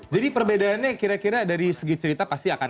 jadi perbedaannya kira kira dari segi cerita pasti akan berbeda